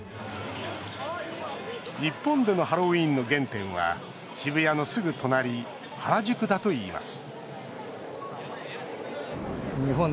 日本でのハロウィーンの原点は渋谷のすぐ隣原宿だといいます